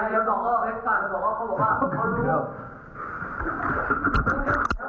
เราเป็นคนแรกทุกคนจะมา